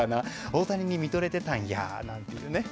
大谷にみとれてたんやなど。